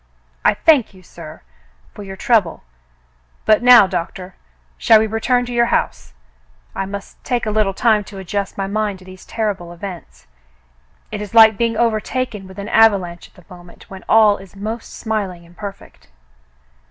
"I thank you, sir, for your trouble, — but now. Doctor, shall we return to your house ? I must take a little time to adjust my mind to these terrible events. It is like being overtaken with an avalanche at the moment when all is most smiling and perfect."